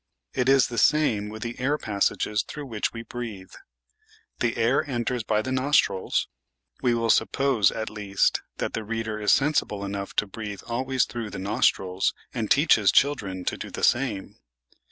It is the same with the air passages through which we breathe. The air enters by the nostrils; we will suppose, at least, that the reader is sensible enough to breathe always through the nostrils, and teach his children to do the same.